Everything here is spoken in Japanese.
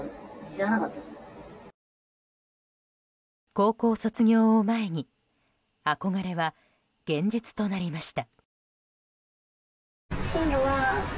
高校卒業を前に憧れは現実となりました。